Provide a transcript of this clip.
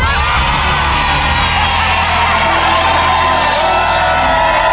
ถูกขึ้นนะครับ